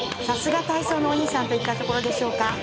さすが体操のお兄さんといったところでしょうか